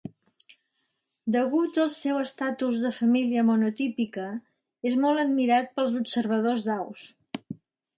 Degut al seu estatus de família monotípica, és molt admirat pels observadors d'aus.